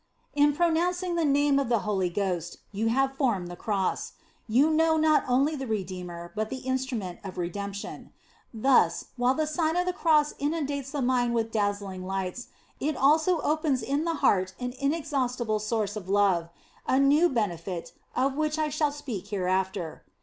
In pronouncing the name of the Holy Ghost, you have formed the Cross. You know not only the Redeemer, but the instru ment of Redemption. Thus, while the Sign of the Cross inundates the mind with dazzlino t> lights, it also opens in the heart an inexhaus tible source of love ; a new benefit, of which I shall speak hereafter.